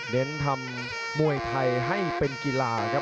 เน้นทำมวยไทยให้เป็นกีฬาครับ